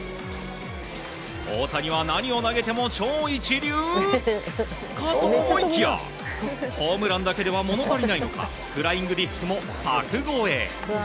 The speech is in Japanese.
大谷は何を投げても超一流かと思いきやホームランだけでは物足りないのかフライングディスクも柵越え。